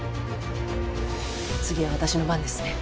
次は私の番ですね。